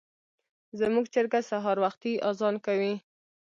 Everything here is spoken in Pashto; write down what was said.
زموږ چرګه سهار وختي اذان کوي.